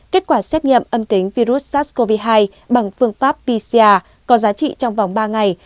kết quả xét nghiệm âm tính virus sars cov hai bằng phương pháp pcr có giá trị trong vòng ba ngày